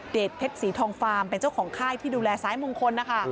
เพชรสีทองฟาร์มเป็นเจ้าของค่ายที่ดูแลซ้ายมงคลนะคะ